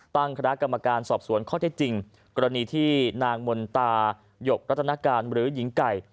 ตั้งคณะกรรมการสอบสวนข้อเท็จจริงกรณีที่นางมนตายกรัตนการหรือหญิงไก่